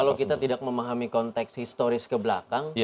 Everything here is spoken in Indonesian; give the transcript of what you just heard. kalau kita tidak memahami konteks historis ke belakang